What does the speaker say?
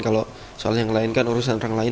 kalau soal yang lain kan urusan orang lain